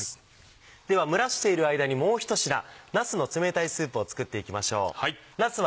では蒸らしている間にもうひと品「なすの冷たいスープ」を作っていきましょう。